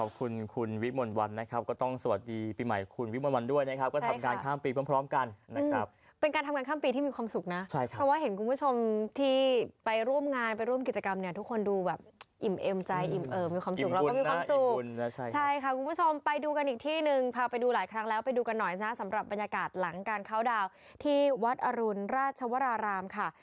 ขอบคุณคุณวิทย์มนต์วันนะครับก็ต้องสวัสดีปีใหม่คุณวิทย์มนต์วันด้วยนะครับก็ทำการข้ามปีพร้อมพร้อมกันนะครับเป็นการทำการข้ามปีที่มีความสุขนะใช่ค่ะเพราะว่าเห็นคุณผู้ชมที่ไปร่วมงานไปร่วมกิจกรรมเนี่ยทุกคนดูแบบอิ่มเอมใจอิ่มเอิมมีความสุขแล้วก็มีความสุขใช่ค่ะคุณผู้ชมไปดูกัน